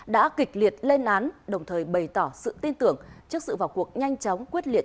đã kịch liệt lên án đồng thời bày tỏ sự tin tưởng trước sự vào cuộc nhanh chóng quyết liệt